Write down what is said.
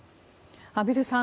畔蒜さん